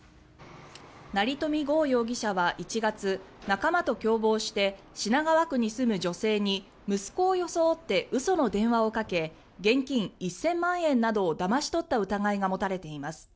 成富豪容疑者は１月仲間と共謀して品川区に住む女性に息子を装って嘘の電話をかけ現金１０００万円などをだまし取った疑いが持たれています。